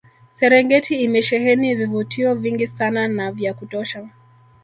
Serengeti imesheheni vivutio vingi sana na vya kutosha